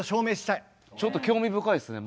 ちょっと興味深いですね。